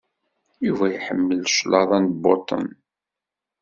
Yuba iḥemmel claḍa n Boton.